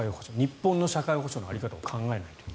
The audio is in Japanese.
日本の社会保障の在り方を考えないとという。